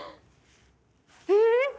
えっ？